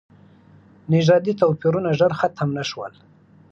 نژادي توپیرونه ژر ختم نه شول.